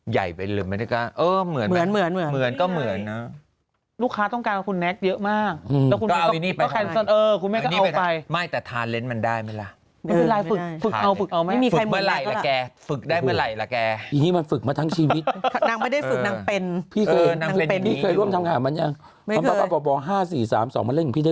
ใหญ่ไปเลยมั้ยที่ก็เหมือนกันเหมือนก็เหมือนนะ